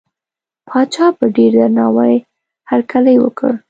پاچا په ډېر درناوي هرکلی وکړ.